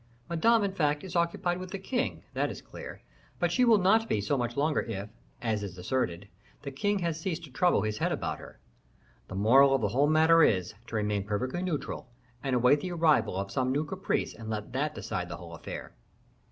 Madame, in fact, is occupied with the king, that is clear; but she will not be so much longer if, as it is asserted, the king has ceased to trouble his head about her. The moral of the whole matter is, to remain perfectly neutral, and await the arrival of some new caprice and let that decide the whole affair."